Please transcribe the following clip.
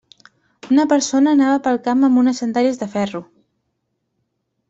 Una persona anava pel camp amb unes sandàlies de ferro.